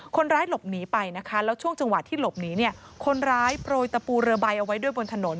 คนร้ายหลบหนีไปนะคะแล้วช่วงจังหวะที่หลบหนีเนี่ยคนร้ายโปรยตะปูเรือใบเอาไว้ด้วยบนถนน